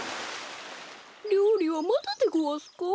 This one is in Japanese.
りょうりはまだでごわすか？